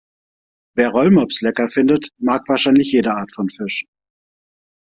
Wer Rollmops lecker findet, mag wahrscheinlich jede Art von Fisch.